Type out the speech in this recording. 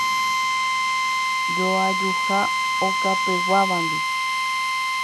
Joajuha okapeguávandi.